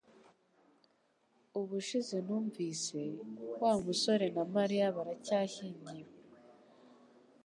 Ubushize numvise, Wa musore na Mariya baracyashyingiwe